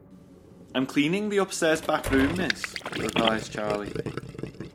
"I'm cleaning the upstairs back room, miss," replies Charley.